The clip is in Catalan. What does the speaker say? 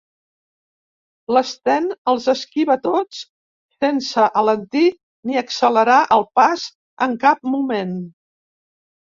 L'Sten els esquiva tots sense alentir ni accelerar el pas en cap moment.